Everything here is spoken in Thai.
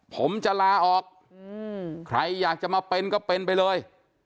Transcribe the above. ผมจะลาออกใครอยากจะมาเป็นก็เป็นไปเลย